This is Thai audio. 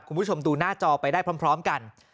คุณผู้ชมดูหน้าจอไปได้พร้อมกัน